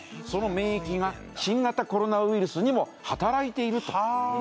その免疫が新型コロナウイルスにも働いていると。